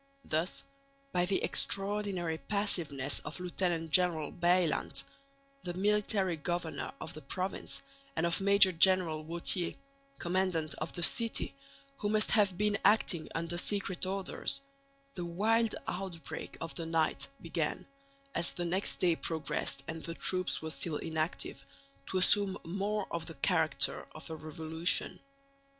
Thus by the extraordinary passiveness of Lieut. General Bylandt, the military governor of the province, and of Major General Wauthier, commandant of the city, who must have been acting under secret orders, the wild outbreak of the night began, as the next day progressed and the troops were still inactive, to assume more of the character of a revolution.